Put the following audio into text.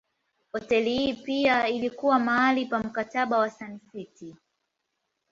Hoteli hii pia ilikuwa mahali pa Mkataba wa Sun City.